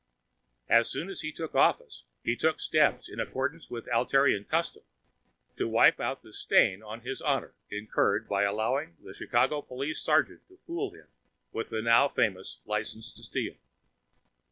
As soon as he took office, he took steps, in accordance with Altairian custom, to wipe out the "stain" on his honor incurred by allowing the Chicago police sergeant to fool him with the now famous License to Steal.